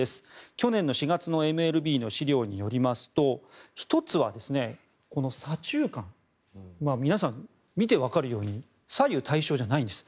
去年の４月のＭＬＢの資料によりますと１つは、左中間皆さん、見て分かるように左右対称じゃないんです。